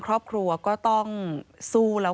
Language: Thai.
พบหน้าลูกแบบเป็นร่างไร้วิญญาณ